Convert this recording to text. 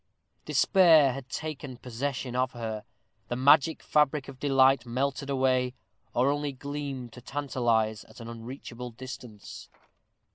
Despair had taken possession of her; the magic fabric of delight melted away, or only gleamed to tantalize, at an unreachable distance.